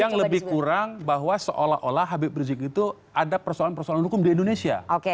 yang lebih kurang bahwa seolah olah habib rizik itu ada persoalan persoalan hukum di indonesia